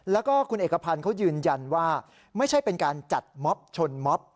แล้วก็คุณเอกพันธ์เขายืนยันว่าไม่ใช่เป็นการจัดม็อบชนม็อบ